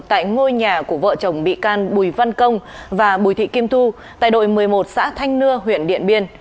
tại ngôi nhà của vợ chồng bị can bùi văn công và bùi thị kim thu tại đội một mươi một xã thanh nưa huyện điện biên